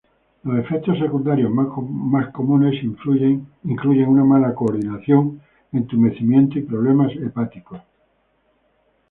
Los efectos secundarios más comunes incluyen una mala coordinación, entumecimiento y problemas hepáticos.